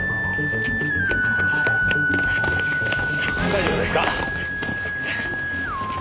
大丈夫ですか？